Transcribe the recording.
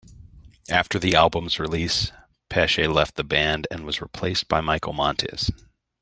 After the album's release Pesce left the band and was replaced by Michael Montes.